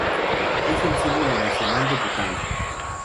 Es el símbolo nacional de Bután.